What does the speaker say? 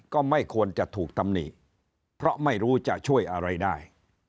ก็ไม่ควรจะถูกตำหนิเพราะไม่รู้จะช่วยอะไรได้